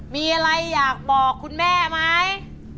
มีอะไรอยากบอกคุณแม่ไหม